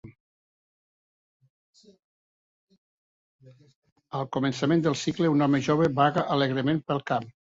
Al començament del cicle, un home jove vaga alegrement pel camp.